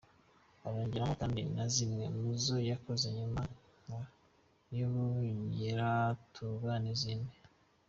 Arongeramo kandi na zimwe mu zo yakoze nyuma, nka Yobu, Nyiratunga, n’izindi.